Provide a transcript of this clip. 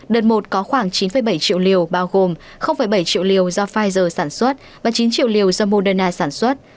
đợt một có khoảng chín bảy triệu liều bao gồm bảy triệu liều do pfizer sản xuất và chín triệu liều do moderna sản xuất